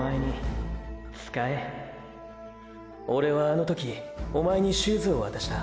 オレはあの時おまえにシューズを渡した。